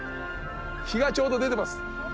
日がちょうど出てます。